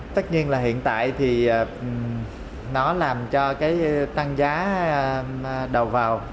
tất nhiên là hiện tại thì nó làm cho cái tăng giá đầu vào